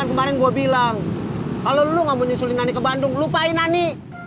kemarin gua bilang kalau lu ngomongin sulit ke bandung lupa ini